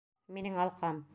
Минең алҡам!